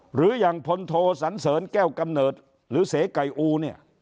หรือยังผลโทษสันเสริญแก้วกำเนิดหรือเสกัยอู